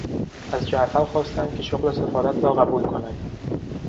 از جعفر خواستند که شغل سفارت را قبول کند.